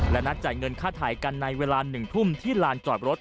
และนัดจ่ายเงินค่าถ่ายกันในเวลา๑ทุ่มที่ลานจอดรถ